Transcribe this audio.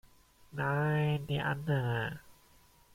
Nein, die andere.